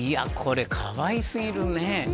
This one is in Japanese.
かわい過ぎるね。